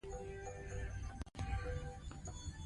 تعلیم د ذهنونو دروازې پرانیزي.